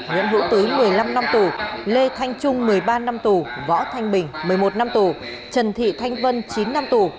nguyễn hữu tứ một mươi năm năm tù lê thanh trung một mươi ba năm tù võ thanh bình một mươi một năm tù trần thị thanh vân chín năm tù